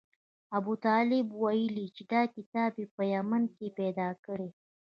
ابوطالب ویل چې دا کتاب یې په یمن کې پیدا کړی.